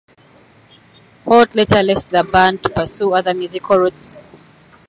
Holt later left the band to pursue other musical routes.